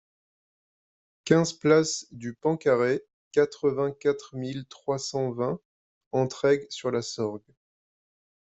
quinze place du Pan Carré, quatre-vingt-quatre mille trois cent vingt Entraigues-sur-la-Sorgue